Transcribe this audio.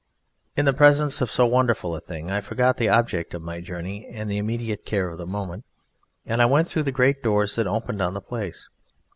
In the presence of so wonderful a thing I forgot the object of my journey and the immediate care of the moment, and I went through the great doors that opened on the Place.